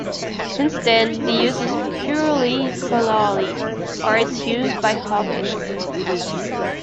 Since then, the use is purely scholarly, or it's used by hobbyists.